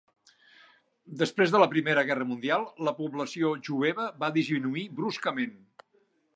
Després de la Primera Guerra Mundial, la població jueva va disminuir bruscament.